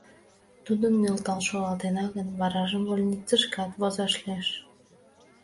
— Тудым нӧлтал шогалтена гын, варажым больницышкат возаш лиеш.